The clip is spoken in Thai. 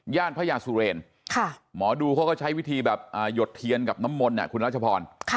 พระยาสุเรนหมอดูเขาก็ใช้วิธีแบบหยดเทียนกับน้ำมนต์คุณรัชพร